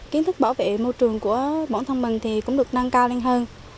kiến thức bảo vệ môi trường của bọn thân mình thì cũng được năng cao lên hơn